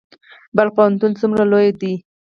بلخ پوهنتون څومره لوی دی؟